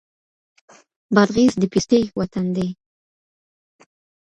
بادغيس د پيستې وطن دی.